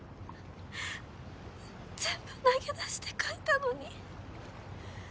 全部投げ出して描いたのに。